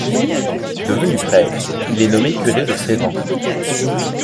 Devenu prêtre, il est nommé curé de Frévent.